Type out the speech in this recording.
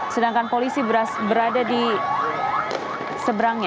sedangkan polisi berada di seberangnya